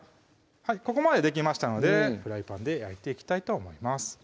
ここまでできましたのでフライパンで焼いていきたいと思います